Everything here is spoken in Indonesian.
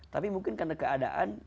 tapi mungkin karena keadaan